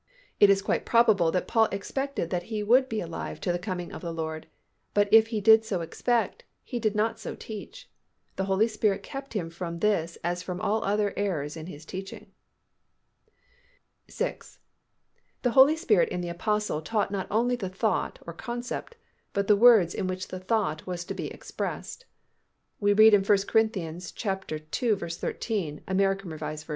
It is quite probable that Paul expected that he would be alive to the coming of the Lord, but if he did so expect, he did not so teach. The Holy Spirit kept him from this as from all other errors in his teachings. 6. _The Holy Spirit in the Apostle taught not only the thought (or __"__concept__"__) but the words in which the thought was to he expressed._ We read in 1 Cor. ii. 13, A. R. V.